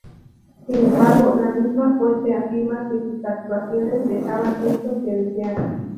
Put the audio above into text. Sin embargo, la misma fuente afirma que sus actuaciones dejaban mucho que desear.